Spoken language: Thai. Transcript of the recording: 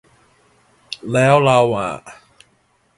แล้วเราอะ